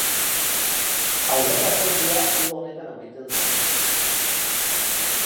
Aurreko akordioa uda honetan amaitzen zen.